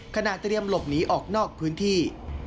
เตรียมหลบหนีออกนอกพื้นที่